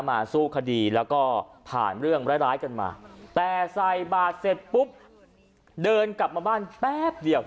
สู้คดีแล้วก็ผ่านเรื่องร้ายกันมาแต่ใส่บาทเสร็จปุ๊บเดินกลับมาบ้านแป๊บเดียว